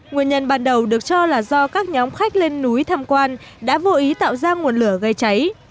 nguyên nhân ban đầu được cho là do các nhóm khách lên núi tham quan đã vô ý tạo ra nguồn lửa gây cháy